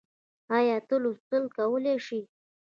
ايا ته لوستل کولی شې؟